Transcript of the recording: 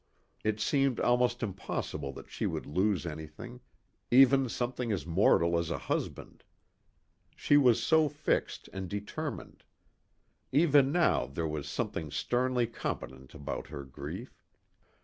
It seemed almost impossible that she should lose anything, even something as mortal as a husband. She was so fixed and determined. Even now there was something sternly competent about her grief.